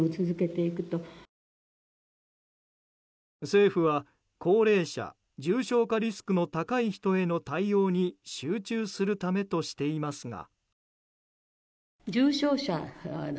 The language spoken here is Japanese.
政府は、高齢者重症化リスクの高い人への対応に集中するためとしていますが。